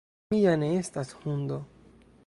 Mi ja ne estas hundo!